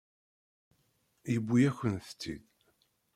Yewwi-yakent-tt-id.